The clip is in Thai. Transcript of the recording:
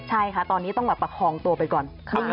ใช่ค่ะตอนนี้ต้องแบบประคองตัวไปก่อน